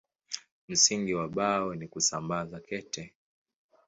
Msingi wa Bao ni kusambaza kete.